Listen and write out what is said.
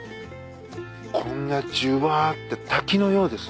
こんなじゅわって滝のようです。